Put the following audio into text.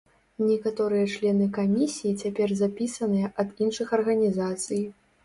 Некаторыя члены камісіі цяпер запісаныя ад іншых арганізацый.